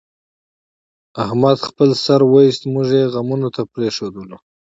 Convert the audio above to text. احمد خپل سر وایست، موږ یې غمونو ته پرېښودلو.